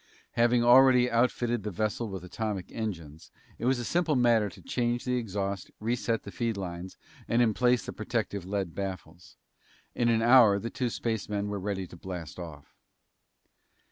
Having already outfitted the vessel with atomic engines, it was a simple matter to change the exhaust, reset the feed lines, and emplace the protective lead baffles. In an hour the two spacemen were ready to blast off.